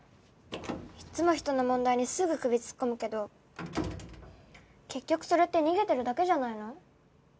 いっつも人の問題にすぐ首突っ込むけど結局それって逃げてるだけじゃないの？